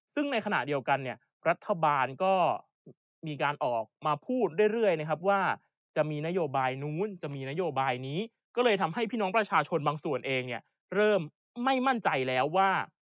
ซึ่งในขณะเดียวกันเนี่ยรัฐบาลก็มีการออกมาพูดเรื่อยนะครับว่าจะมีนโยบายนู้นจะมีนโยบายนี้ก็เลยทำให้พี่น้องประชาชนบางส่วนเองเนี่ยเริ่มไม่มั่นใจแล้วว่า